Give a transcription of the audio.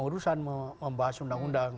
urusan membahas undang undang